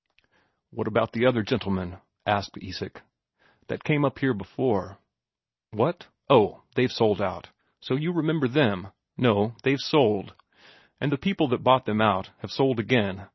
"What about the other gentlemen," asked Isak, "that came up here before?" "What? Oh, they've sold out. So you remember them? No, they've sold. And the people that bought them out have sold again.